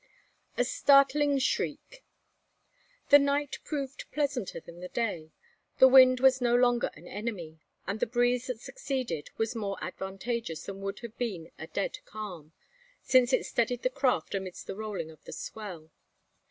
A STARTLING SHRIEK. The night proved pleasanter than the day. The wind was no longer an enemy; and the breeze that succeeded was more advantageous than would have been a dead calm; since it steadied the craft amidst the rolling of the swell.